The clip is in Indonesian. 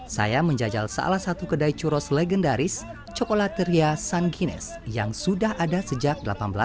saya menjajal salah satu kedai churros legendaris cocolateria san guinness yang sudah ada sejak seribu delapan ratus sembilan puluh empat